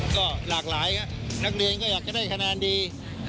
ก็หลากหลายครับนักเรียนก็อยากจะได้คะแนนดี